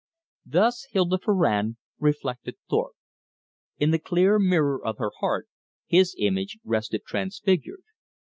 Thus Hilda Farrand reflected Thorpe. In the clear mirror of her heart his image rested transfigured.